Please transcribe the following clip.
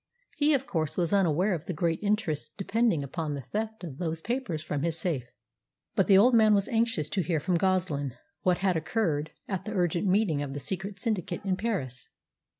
He, of course, was unaware of the great interests depending upon the theft of those papers from his safe. But the old man was anxious to hear from Goslin what had occurred at the urgent meeting of the secret syndicate in Paris.